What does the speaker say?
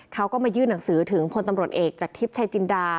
เขาก็มายื่นหนังสือถึงพลตำรวจเอกจากทิพย์ชายจินดา